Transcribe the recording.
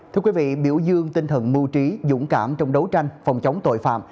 thưa quý vị biểu dương tinh thần mưu trí dũng cảm trong đấu tranh phòng chống tội phạm